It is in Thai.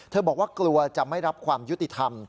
บอกว่ากลัวจะไม่รับความยุติธรรม